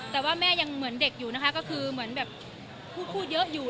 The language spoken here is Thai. แต่ว่าแม่ยังเหมือนเด็กอยู่นะคะก็คือเหมือนแบบพูดเยอะอยู่